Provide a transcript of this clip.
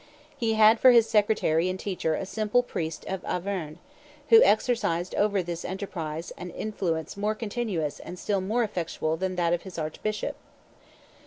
He had for his secretary and teacher a simple priest of Auvergne, who exercised over this enterprise an influence more continuous and still more effectual than that of his archbishop.